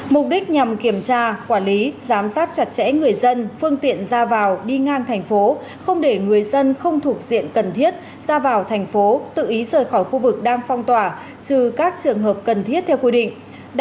mục đích nhằm kiểm tra quản lý giám sát chặt chẽ người dân phương tiện ra vào đi ngang thành phố không để người dân không thuộc diện cần thiết ra vào thành phố tự ý rời khỏi khu vực đang phong tỏa trừ các trường hợp cần thiết theo quy định